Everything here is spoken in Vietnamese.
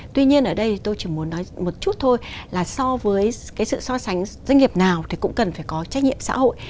tuy nhiên ở đây tôi chỉ muốn nói một chút thôi là so với sự so sánh doanh nghiệp nào thì cũng cần phải có trách nhiệm xã hội